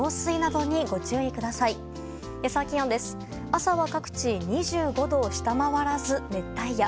朝は各地２５度を下回らず熱帯夜。